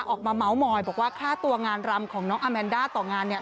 ออกมาเมาส์มอยบอกว่าค่าตัวงานรำของน้องอาแมนด้าต่องานเนี่ย